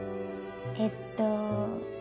えっと。